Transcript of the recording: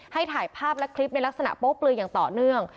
ถ่ายภาพและคลิปในลักษณะโป๊เปลืออย่างต่อเนื่อง